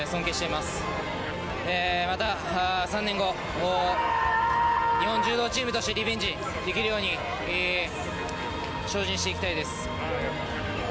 また３年後、日本柔道チームとしてリベンジできるように精進していきたいです。